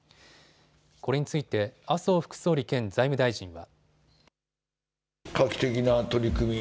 これについて麻生副総理兼財務大臣は。